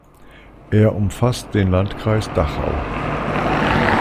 Er umfasst den Landkreis Dachau.